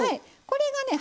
これがね